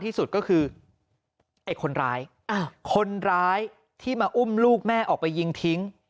ที่สุดก็คือไอ้คนร้ายคนร้ายที่มาอุ้มลูกแม่ออกไปยิงทิ้ง